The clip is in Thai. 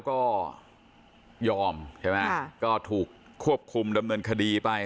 ก็ยอมใช่ไหมก็ถูกควบคุมดำเนินคดีไป